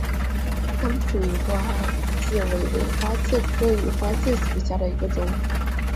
三浦羽花介为尾花介科羽花介属下的一个种。